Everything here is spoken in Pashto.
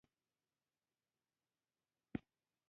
اوس په یوه نوي مصیبت کي راګیر شوی یم.